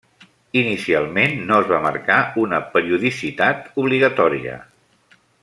Inicialment, no es va marcar una periodicitat obligatòria.